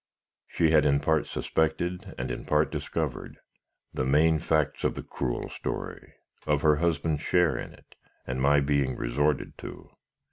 She had in part suspected, and in part discovered, the main facts of the cruel story, of her husband's share in it, and my being resorted to.